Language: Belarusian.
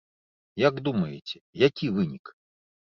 Як думаеце, які вынік?